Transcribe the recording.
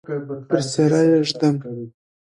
پر څیره یې ږدم